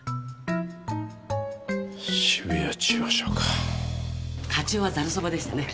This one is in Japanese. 渋谷中央署か課長はざるそばでしたね